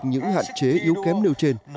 những hạn chế yếu kém nêu trên